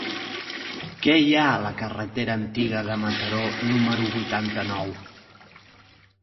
Què hi ha a la carretera Antiga de Mataró número vuitanta-nou?